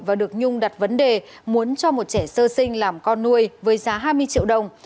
và được nhung đặt vấn đề muốn cho một trẻ sơ sinh làm con nuôi với giá hai mươi triệu đồng